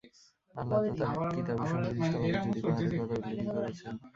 আল্লাহ তো তাঁর কিতাবে সুনির্দিষ্টভাবে জুদী পাহাড়ের কথা উল্লেখই করেছেন।